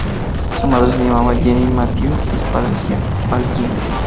Su madre se llamaba Jeanne Mathieu y su padre Jean Valjean.